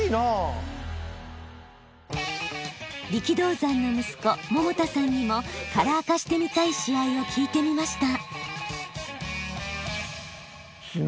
力道山の息子百田さんにもカラー化してみたい試合を聞いてみました。